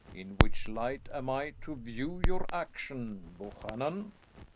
In which light am I to view your action, Buchanan?"